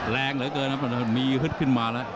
แรงเหลือเกินครับมีฮึดขึ้นมาแล้ว